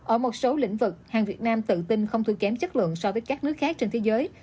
ở một số lĩnh vực hàng việt nam tự tin không thua kém chất lượng so với các nước khác trên thế giới